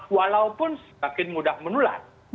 walaupun semakin mudah menular